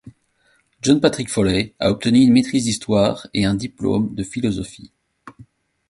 John Patrick Foley a obtenu une maîtrise d'histoire et un diplôme de philosophie.